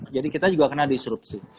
kita juga kena disrupsi